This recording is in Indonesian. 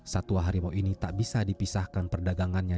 satwa harimau ini tak bisa dipisahkan perdagangannya